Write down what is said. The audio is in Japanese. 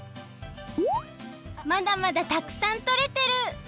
まだまだたくさんとれてる！